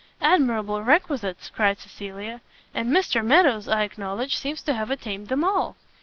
"Admirable requisites!" cried Cecilia; "and Mr Meadows, I acknowledge, seems to have attained them all."